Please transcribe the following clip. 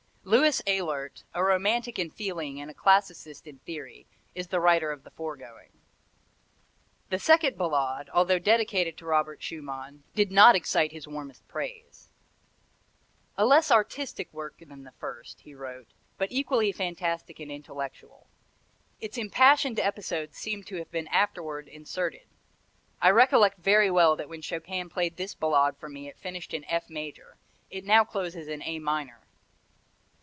Louis Ehlert, a romantic in feeling and a classicist in theory, is the writer of the foregoing. The second Ballade, although dedicated to Robert Schumann, did not excite his warmest praise. "A less artistic work than the first," he wrote, "but equally fantastic and intellectual. Its impassioned episodes seem to have been afterward inserted. I recollect very well that when Chopin played this Ballade for me it finished in F major; it now closes in A minor."